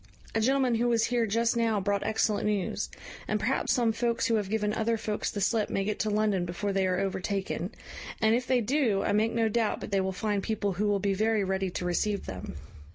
A gentleman who was here just now brought excellent news; and perhaps some folks who have given other folks the slip may get to London before they are overtaken; and if they do, I make no doubt but they will find people who will be very ready to receive them."